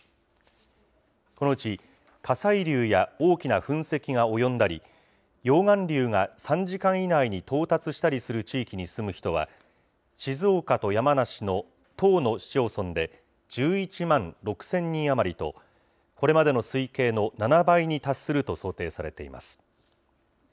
このうち、火砕流や大きな噴石が及んだり、溶岩流が３時間以内に到達したりする地域に住む人は、静岡と山梨の１０の市町村で１１万６０００人余りと、これまでの推計の７倍に達すると想定されています。